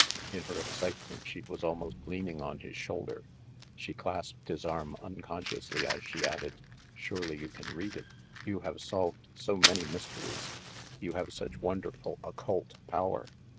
In her excitement she was almost leaning on his shoulder. She clasped his arm unconsciously as she added, "Surely you can read it? You have solved so many mysteries; you have such wonderful occult power!